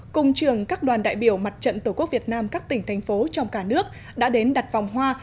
cùng trường các đoàn đại biểu mặt trận tổ quốc việt nam các tỉnh thành phố trong cả nước đã đến đặt vòng hoa